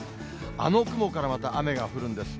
あの雲からまた雨が降るんです。